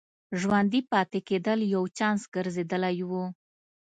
ژوندي پاتې کېدل یو چانس ګرځېدلی و.